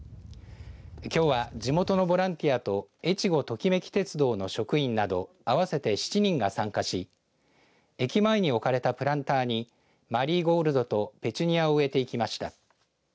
きょうは地元のボランティアとえちごトキめき鉄道の職員など合わせて７人が参加し駅前に置かれたプランターにマリーゴールドとペチュニアを植えていきました。